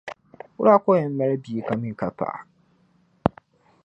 Wula ka o yɛn mali bia ka mi ka paɣa?